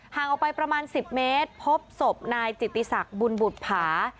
ห่างออกไปประมาณ๑๐เมตรพบศพนายจิตติศักดิ์บุญบุตผา